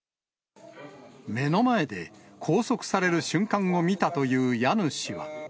目の前で拘束される瞬間を見たという家主は。